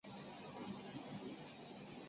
洋紫荆是香港法定代表花卉。